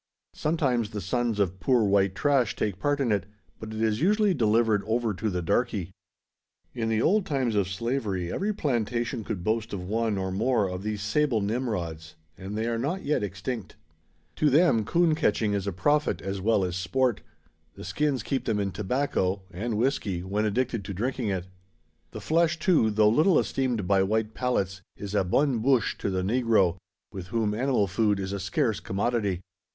Sometimes the sons of "poor white trash" take part in it; but it is usually delivered over to the "darkey." In the old times of slavery every plantation could boast of one, or more, of these sable Nimrods; and they are not yet extinct. To them coon catching is a profit, as well as sport; the skins keeping them in tobacco and whisky, when addicted to drinking it. The flesh, too, though little esteemed by white palates, is a bonne bouche to the negro, with whom animal food is a scarce commodity.